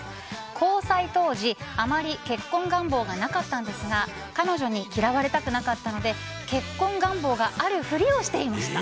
交際当時、あまり結婚願望がなかったんですが彼女に嫌われたくなかったので結婚願望がある振りをしていました。